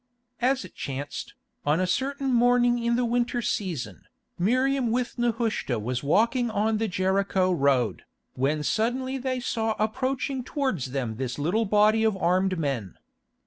As it chanced, on a certain morning in the winter season, Miriam with Nehushta was walking on the Jericho road, when suddenly they saw approaching towards them this little body of armed men.